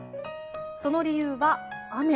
その理由は雨。